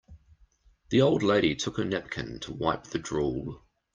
The old lady took her napkin to wipe the drool.